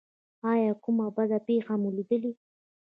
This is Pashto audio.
ایا کومه بده پیښه مو لیدلې؟